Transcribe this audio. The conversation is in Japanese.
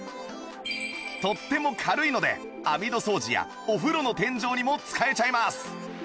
とっても軽いので網戸掃除やお風呂の天井にも使えちゃいます